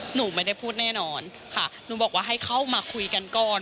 หนูไม่ได้พูดแน่นอนค่ะหนูบอกว่าให้เข้ามาคุยกันก่อน